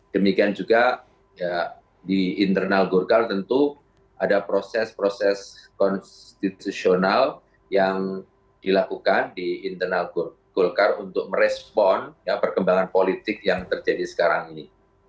demikian juga di internal golkar tentu ada proses proses konstitusional yang dilakukan di internal golkar untuk merespon perkembangan politik yang terjadi sekarang ini